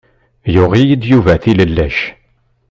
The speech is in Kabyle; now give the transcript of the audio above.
Yuɣ-iyi-d Yuba tilellac.